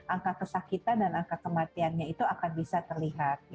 angka kesakitan dan angka kematiannya itu akan bisa terlihat